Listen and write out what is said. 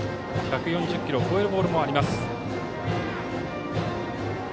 １４０キロを超えるボールもあります。